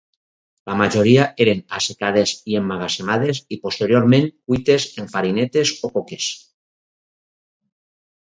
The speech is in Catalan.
La majoria eren assecades i emmagatzemades, i posteriorment cuites en farinetes o coques.